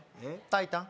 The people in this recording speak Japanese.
炊いたん？